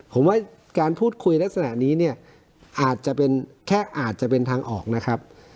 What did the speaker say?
ผมว่าการพูดคุยลักษณะนี้เนี่ยอาจจะเป็นแค่อาจจะเป็นทางออกนะครับ